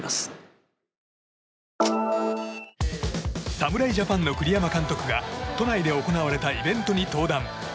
侍ジャパンの栗山監督が都内で行われたイベントに登壇。